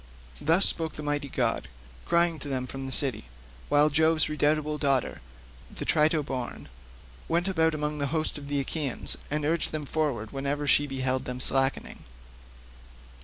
Thus spoke the mighty god, crying to them from the city, while Jove's redoubtable daughter, the Trito born, went about among the host of the Achaeans, and urged them forward whenever she beheld them slackening.